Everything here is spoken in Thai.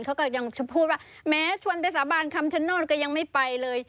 เขาก็ยังพูดว่าแม้ชวนไปสาบานคำชโนธก็ยังไม่ไปเลย